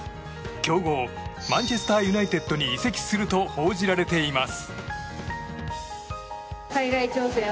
強豪、マンチェスター・ユナイテッドに移籍すると報じられています。